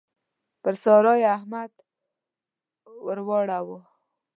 پر سارا يې احمد واړاوو.